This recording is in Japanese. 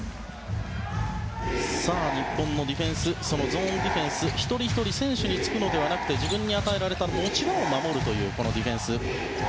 日本のディフェンスそのゾーンディフェンス１人１人選手につくのではなく自分に与えられた持ち場を守るという、このディフェンス。